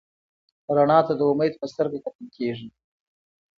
رڼا ته د امید په سترګه کتل کېږي.